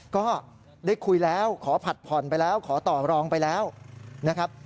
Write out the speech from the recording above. ก็ได้คุยแล้วขอผัดผ่อนไปแล้วขอต่อรองไปแล้วนะครับ